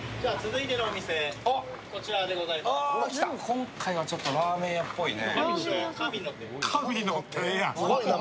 今回はちょっとラーメン屋さんっぽいね。